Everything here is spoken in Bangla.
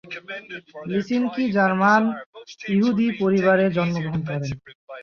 লিসিনস্কি জার্মান ইহুদি পরিবারে জন্মগ্রহণ করেন।